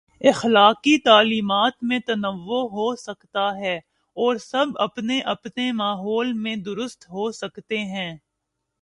اخلاقی تعلیمات میں تنوع ہو سکتا ہے اور سب اپنے اپنے ماحول میں درست ہو سکتے ہیں۔